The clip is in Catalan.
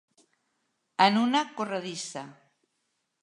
En una corredissa.